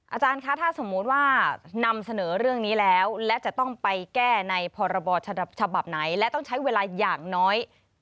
อาจารย์คะถ้าสมมุติว่านำเสนอเรื่องนี้แล้วและจะต้องไปแก้ในพรบฉบับไหนและต้องใช้เวลาอย่างน้อย